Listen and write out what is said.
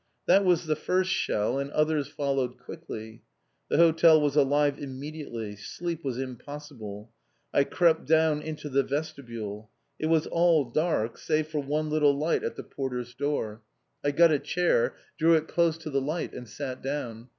That was the first shell, and others followed quickly. The Hotel was alive immediately. Sleep was impossible. I crept down into the vestibule. It was all dark, save for one little light at the porter's door! I got a chair, drew it close to the light and sat down.